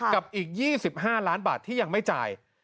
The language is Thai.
กับอีก๒๕ล้านบาทที่ยังไม่จ่าย